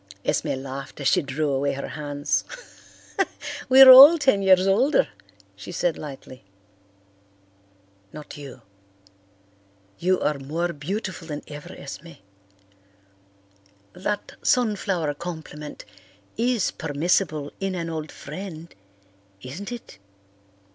Esme laughed as she drew away her hands. "We are all ten years older," she said lightly. "Not you. You are more beautiful than ever, Esme. That sunflower compliment is permissible in an old friend, isn't it?"